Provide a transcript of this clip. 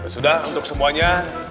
sudah untuk semuanya